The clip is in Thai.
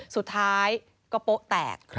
สุดท้ายก็โป๊ะแตก